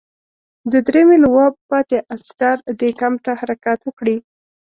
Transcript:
د دریمې لواء پاتې عسکر دې کمپ ته حرکت وکړي.